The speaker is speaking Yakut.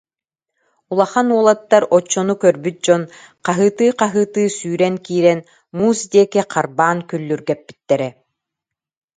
Улахан уолаттар, оччону көрбүт дьон, хаһыытыы-хаһыытыы сүүрэн киирэн муус диэки харбаан күл- лүргэппиттэрэ